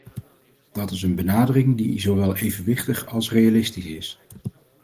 Dat is een benadering die zowel evenwichtig als realistisch is.